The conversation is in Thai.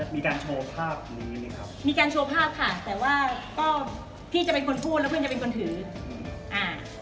มีการโชว์ภาพนี้ไหมครับมีการโชว์ภาพค่ะแต่ว่าก็พี่จะเป็นคนพูดแล้วเพื่อนจะเป็นคนถืออ่า